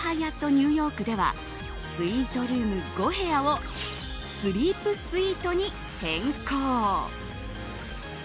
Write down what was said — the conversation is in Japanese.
ニューヨークではスイートルーム５部屋をスリープスイートに変更。